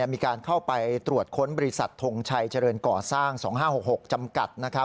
มีการเข้าไปตรวจค้นบริษัททงชัยเจริญก่อสร้าง๒๕๖๖จำกัด